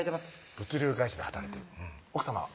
物流会社で働いてる奥さまは？